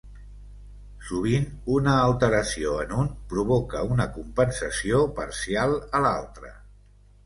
Sovint una alteració en un provoca una compensació parcial a l'altre.